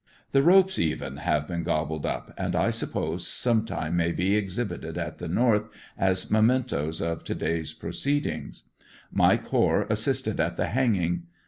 The ropes even have been gobbled up, and I suppose sometime may be exhibited at the north as mementoes of to day's proceedings. Mike Hoare assisted at the hanging.